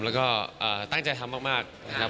แล้วก็ตั้งใจทำมากนะครับ